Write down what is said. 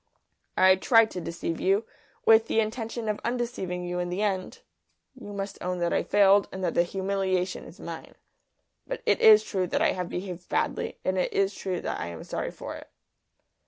"I tried to deceive you, with the intention of undeceiving you in the end. You must own that I failed and that the humiliation is mine. But it is true that I have behaved badly; and it is true that I am sorry for it."